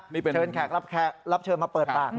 เชิญแขกรับเชิญมาเปิดปาก